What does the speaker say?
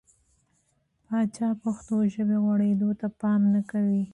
پاچا پښتو ژبې غوړېدو ته پام نه کوي .